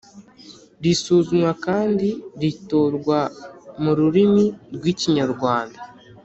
risuzumwa kandi ritorwa mu rurimi rw ikinyarwanda